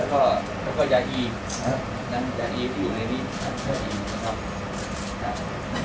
แล้วก็แล้วก็ยะอี้นะฮะยะอี้ที่อยู่ในนี้นะฮะยะอี้นะครับนะฮะ